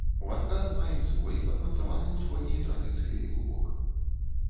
У адказ маем свой, падмацаваны усходняй традыцыяй, лубок.